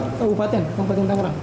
kabupaten kabupaten tanggerang